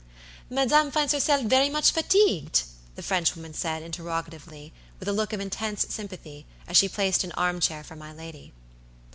"Madam finds herself very much fatigued?" the Frenchwoman said, interrogatively, with a look of intense sympathy, as she placed an arm chair for my lady.